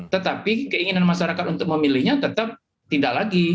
tetapi keinginan masyarakat untuk memilihnya tetap tidak lagi